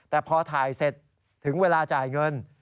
แต่พอถ่ายเสร็จถึงเวลาจ่ายเงิน